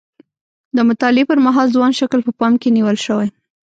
د مطالعې پر مهال ځوان شکل په پام کې نیول شوی.